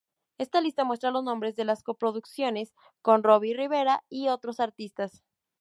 Esta lista muestra los nombres de las coproducciones con Robbie Rivera y otros artistas.